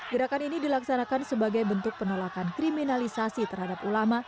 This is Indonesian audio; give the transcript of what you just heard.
gerakan ini dilaksanakan sebagai bentuk penolakan kriminalisasi terhadap ulama